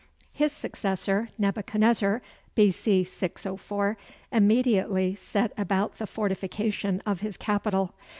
His successor, Nebuchadnezzar, B.C. 604, immediately set about the fortification of his capital.